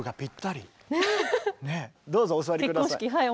どうぞお座り下さい。